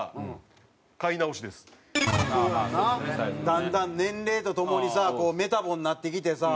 だんだん年齢とともにさこうメタボになってきてさ。